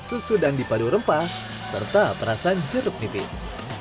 susu dan dipadu rempah serta perasan jeruk nipis